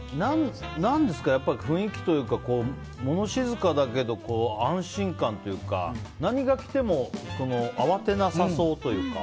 何ですかね、雰囲気というか物静かだけど安心感というか何が来ても慌てなさそうというか。